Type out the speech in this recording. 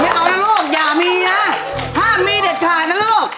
ไม่เอานะโลกอย่ามีนะห้ามมีเด็ดข่าวนะโลก